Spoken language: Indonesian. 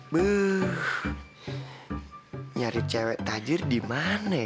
buh nyari cewek tajir di mana ya